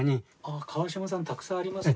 川島さんたくさんありますね。